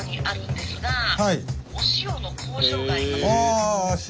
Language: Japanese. ああ塩。